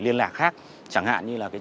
liên lạc khác chẳng hạn như